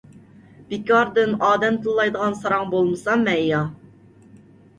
بىكاردىن ئادەم تىللايدىغان ساراڭ بولمىسام مەن-يا.